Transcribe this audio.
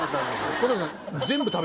小峠さん。